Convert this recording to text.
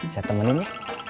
saya temen ini